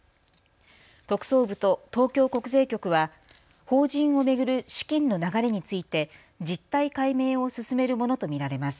特捜部と東京国税局は法人を巡る資金の流れについて実態解明を進めるものと見られます。